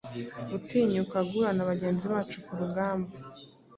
Gutinyuka guhura na bagenzi bacu-kurugamba